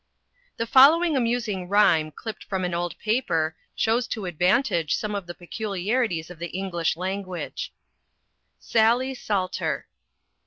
The following amusing rhyme clipped from an old paper shows to advantage some of the peculiarities of the English language: SALLY SALTER.